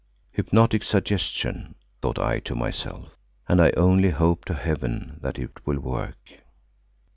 "Hypnotic suggestion," thought I to myself, "and I only hope to heaven that it will work."